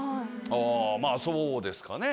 まぁそうですかね。